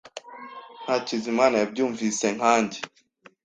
Hakizimana yabyumvise nkanjye.